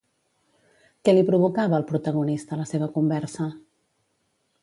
Què li provocava al protagonista la seva conversa?